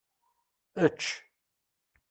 Ečč!